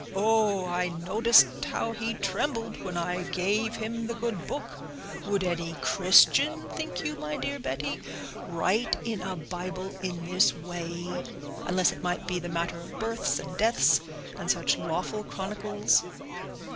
Oh! I noticed how he trembled when I gave him the good book. Would any Christian, think you, my dear Betty, write in a Bible in this way; unless it might be the matter of births and deaths, and such lawful chronicles?"